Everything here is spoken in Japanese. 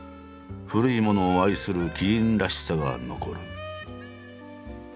古いものを愛する希林らしさが残る。